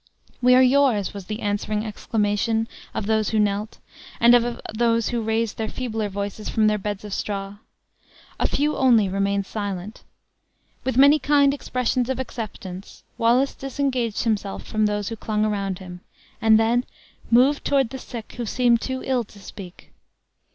"We are yours," was the answering exclamation of those who knelt, and of those who raised their feebler voices from their beds of straw. A few only remained silent. With many kind expressions of acceptance, Wallace disengaged himself from those who clung around him, and then moved toward the sick, who seemed too ill to speak.